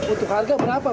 untuk harga berapa pak